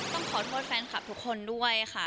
ต้องขอโทษแฟนคลับทุกคนด้วยค่ะ